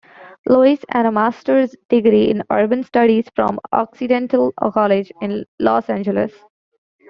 Louis and a master's degree in urban studies from Occidental College in Los Angeles.